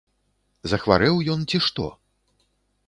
Захварэў ён, ці што?